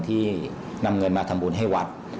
ที่นำเงินมาทำบุญให้วัด